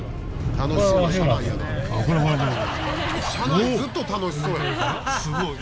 車内ずっと楽しそうやな。